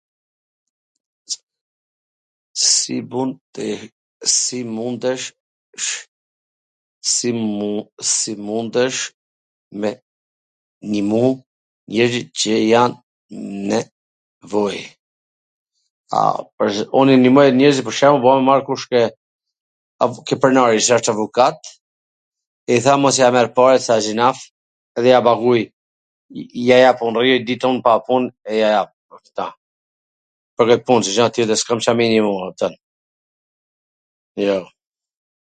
Si mundesh me nimu njerzit qe jan nw nevoj? A, un i nimoj njerzit pwr shembull un i marr kush t jet. Ke pronari qw wsht avokat, i them mos ja merr paret se asht gjynaf, dhe ja paguj, ja jap un, rri njw dit un pa pun e ja jap, po. Pwr kwt pun, se xha tjetwr s kam me i nimu, kupton. Jo.